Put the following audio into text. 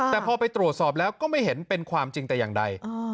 แต่พอไปตรวจสอบแล้วก็ไม่เห็นเป็นความจริงแต่อย่างใด